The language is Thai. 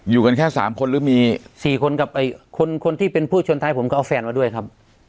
กันแค่สามคนหรือมี๔คนกับคนที่เป็นผู้ชนท้ายผมก็เอาแฟนมาด้วยครับ